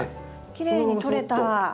きれいに取れた。